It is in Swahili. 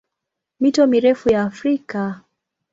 Mito mirefu ya Afrika